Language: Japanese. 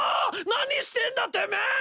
何してんだてめえ！